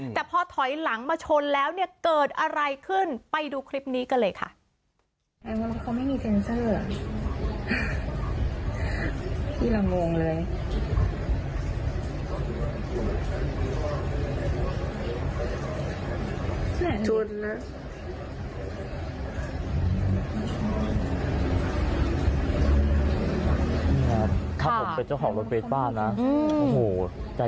แต่พอถอยหลังมาชนแล้วเนี่ยเกิดอะไรขึ้นไปดูคลิปนี้กันเลยค่ะ